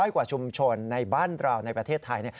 กว่าชุมชนในบ้านเราในประเทศไทย